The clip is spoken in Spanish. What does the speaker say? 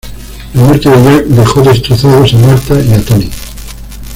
La muerte de Jack dejó destrozados a Martha y a Tony.